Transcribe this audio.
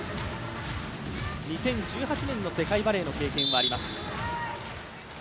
２０１８年の世界バレーの経験もあります。